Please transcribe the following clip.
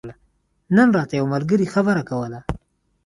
نن راته يو ملګري خبره کوله